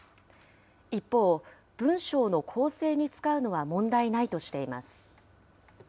一方、文章の校正に使うのは問題ないとしています。